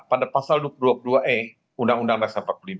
pada pasal dua puluh dua e undang undang dasar empat puluh lima